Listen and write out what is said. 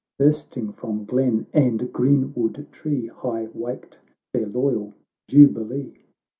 Bursting from glen and green wood tree, High waked their loyal jubilee